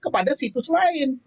kepada situs lain